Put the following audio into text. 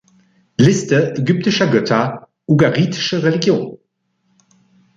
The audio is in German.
Liste ägyptischer Götter, Ugaritische Religion